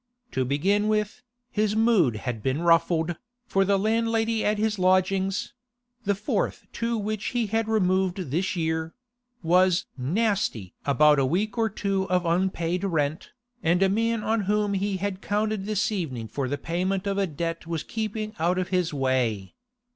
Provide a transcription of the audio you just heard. To begin with, his mood had been ruffled, for the landlady at his lodgings—the fourth to which he had removed this year—was 'nasty' about a week or two of unpaid rent, and a man on whom he had counted this evening for the payment of a debt was keeping out of his way.